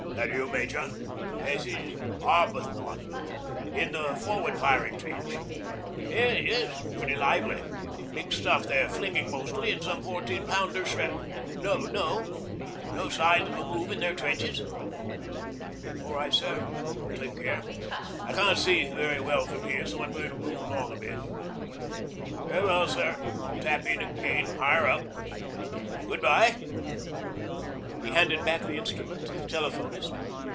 That you, Major? ... Yes, this is Arbuthnot. ... In the forward firing trench. ... Yes, pretty lively ... big stuff they're flinging mostly, and some fourteen pounder shrap. ... No, no signs of a move in their trenches. ... All right, sir, I'll take care. I can't see very well from here, so I'm going to move along a bit. ... Very well, sir, I'll tap in again higher up. ... Good bye.' He handed back the instrument to the telephonist.